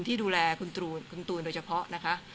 ที่ดูแลคุณตูนโดยเฉพาะนะคะ